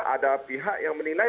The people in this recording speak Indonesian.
ada pihak yang menilai